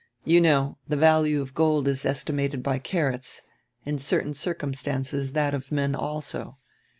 You know, tire value of gold is estimated by carats, in certain circumstances that of men also.